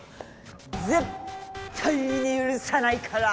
絶対に許さないから！